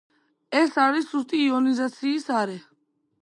ეს არის სუსტი იონიზაციის არე.